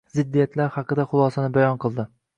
Ziddiyatlar haqida xulosani bayon qildi